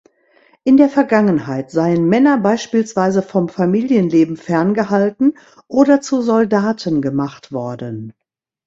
In der Vergangenheit seien Männer beispielsweise vom Familienleben ferngehalten oder zu Soldaten gemacht worden.